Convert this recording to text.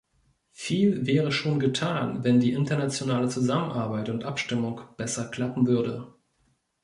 Viel wäre schon getan, wenn die internationale Zusammenarbeit und Abstimmung besser klappen würde.